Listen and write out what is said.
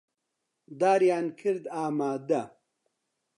داریان کردن ئامادە